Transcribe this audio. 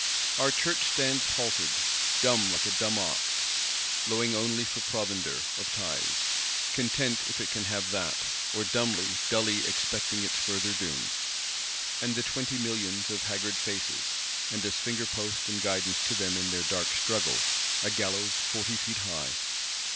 Our Church stands haltered, dumb, like a dumb ox; lowing only for provender (of tithes); content if it can have that; or, dumbly, dully expecting its further doom. And the Twenty Millions of "haggard faces;" and, as finger post and guidance to them in their dark struggle, "a gallows forty feet high"!